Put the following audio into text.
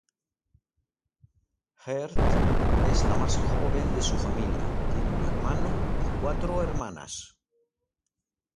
Heart es la más joven de su familia, tiene un hermano y cuatro hermanas.